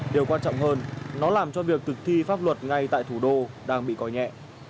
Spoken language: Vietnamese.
điều quan trọng hơn nó làm cho việc thực thi pháp luật ngay tại thủ đô đang bị coi nhẹ